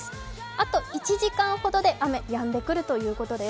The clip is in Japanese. あと１時間ほどで雨やんでくるということです。